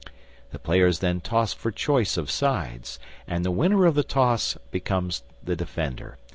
The players then toss for choice of sides, and the winner of the toss becomes the defender.